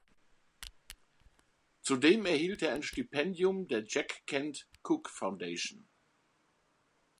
Zudem erhielt er ein Stipendium der Jack Kent Cooke Foundation.